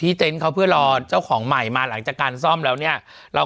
เต็นต์เขาเพื่อรอเจ้าของใหม่มาหลังจากการซ่อมแล้วเนี่ยเรา